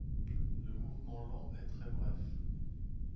Le mouvement lent est très bref.